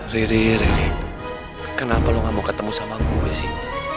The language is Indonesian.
riri riri kenapa lo nggak mau ketemu sama gue sih